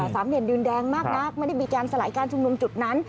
สามเหลี่ยมดินแดงมากนักไม่ได้มีการสลายการชุมนุมจุดนั้น